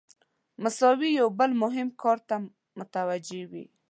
مساوي یو بل مهم کار ته متوجه وي.